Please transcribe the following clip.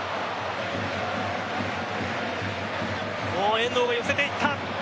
遠藤が寄せていった。